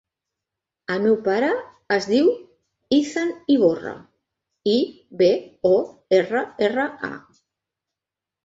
El meu pare es diu Izan Iborra: i, be, o, erra, erra, a.